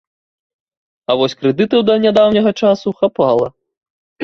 А вось крэдытаў да нядаўняга часу хапала.